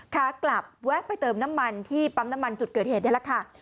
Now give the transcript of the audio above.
ขากลับแวะไปเติมน้ำมันที่ปั๊มน้ำมันจุดเกิดเหตุนี่แหละค่ะ